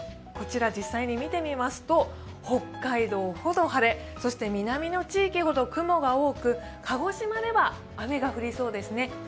こちら、実際に見てみますと北海道ほど晴れそして南の地域ほど雲が多く、鹿児島では雨が降りそうですね。